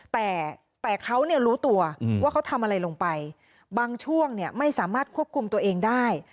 แต่เขารู้ตัวว่าเขาทำอะไรลงไปบางช่วงไม่สามารถควบคุมตัวเองได้